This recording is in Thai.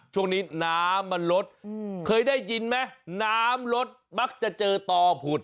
ช่วงนี้น้ำมันลดเคยได้ยินไหมน้ำรถมักจะเจอต่อผุด